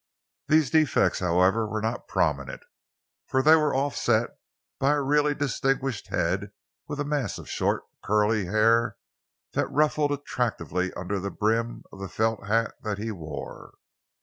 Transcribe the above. These defects, however, were not prominent, for they were offset by a really distinguished head with a mass of short, curly hair that ruffled attractively under the brim of the felt hat he wore.